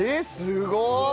すごーい。